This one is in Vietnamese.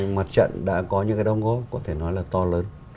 mặt trận đã có những cái đồng góp có thể nói là to lớn